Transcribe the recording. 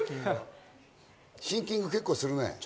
シンキング、結構するね。